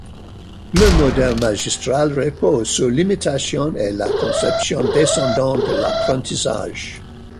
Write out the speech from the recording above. Le modèle magistral repose sur l’imitation et la conception descendante de l’apprentissage.